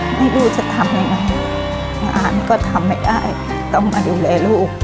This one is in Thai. คือพื้นทรายที่โอบทะเลไว้